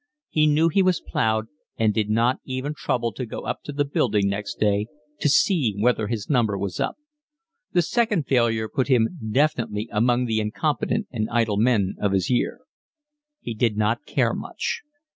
He knew he was ploughed and did not even trouble to go up to the building next day to see whether his number was up. The second failure put him definitely among the incompetent and idle men of his year. He did not care much.